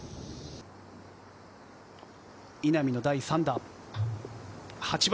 稲見の第３打、８番。